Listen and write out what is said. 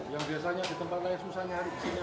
yang biasanya di tempat lain susahnya